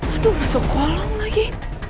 aduh masuk kolong lagi